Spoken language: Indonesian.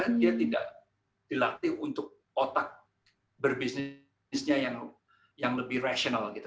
karena dia tidak dilatih untuk otak berbisnisnya yang lebih rasional gitu